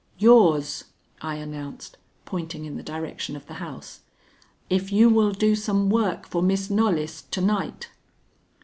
"Yours," I announced, pointing in the direction of the house, "if you will do some work for Miss Knollys to night."